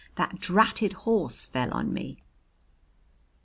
That dratted horse fell on me."